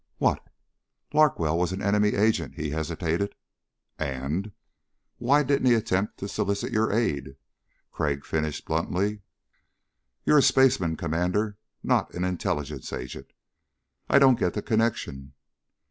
"What?" "Larkwell's an enemy agent...." He hesitated. "And...?" "Why didn't he attempt to solicit your aid?" Crag finished bluntly. "You're a spaceman, Commander, not an intelligence agent." "I don't get the connection."